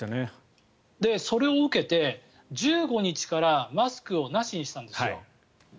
それを受けて、１５日からマスクをなしにしたんですよ。